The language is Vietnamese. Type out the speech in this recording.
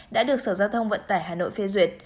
đã được sở giao thông vận tải hà nội phê duyệt